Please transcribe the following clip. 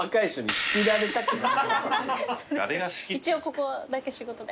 一応ここだけ仕事で。